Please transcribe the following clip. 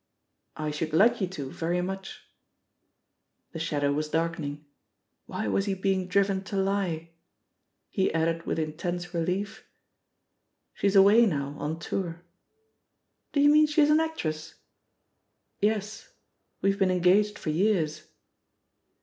"I should like you to, very much." The shadow was darkening; why was he being driven to lie? He added with intense relief, "She's away now, on tour." *T)o you mean she's an actress ?" "Yes. We've been engaged for years."